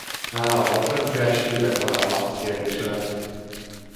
Nála a labdarúgás élet-halálharc kérdése lett.